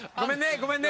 ごめんね。